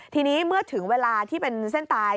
ทีนี้เมื่อถึงเวลาที่เป็นเส้นตาย